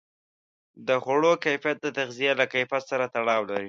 د خوړو کیفیت د تغذیې له کیفیت سره تړاو لري.